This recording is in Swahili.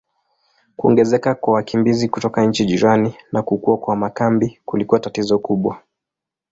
Kuongezeka kwa wakimbizi kutoka nchi jirani na kukua kwa makambi kulikuwa tatizo kubwa.